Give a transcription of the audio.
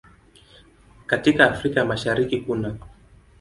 Katika Afrika ya Mashariki kunaː